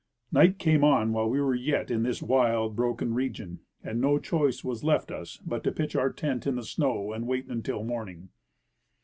Night came on while w^e were yet in this wild, broken region, and no choice was left us but to pitch our tent in the snow and wait until morning.